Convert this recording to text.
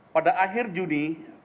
pada akhir juni dua ribu lima